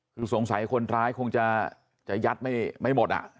คือสงสัยคนร้ายคงจะยัดไม่หมด